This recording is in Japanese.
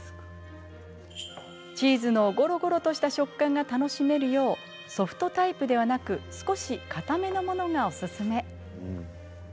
チーズのゴロゴロとした食感が楽しめるようソフトタイプではなく少し、かためのものがおすすめ。